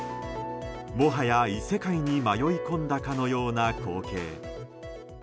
もはや、異世界に迷い込んだかのような光景。